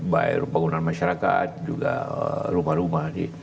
baik bangunan masyarakat juga rumah rumah